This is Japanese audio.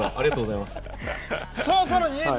さらに？